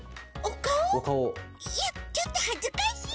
いやちょっとはずかしい！